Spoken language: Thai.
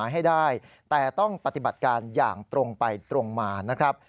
ให้ได้แต่ต้องปฏิบัติการอย่างตรงไปตรงมานะครับ